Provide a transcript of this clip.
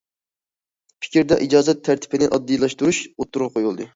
« پىكىر» دە ئىجازەت تەرتىپىنى ئاددىيلاشتۇرۇش ئوتتۇرىغا قويۇلدى.